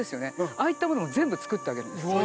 ああいったものを全部造ってあげるんです。